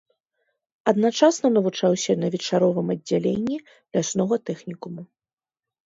Адначасна навучаўся на вечаровым аддзяленні ляснога тэхнікуму.